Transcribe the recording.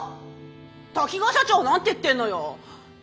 滝川社長は何て言ってんのよ！